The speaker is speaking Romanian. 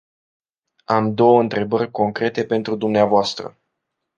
Am două întrebări concrete pentru dumneavoastră.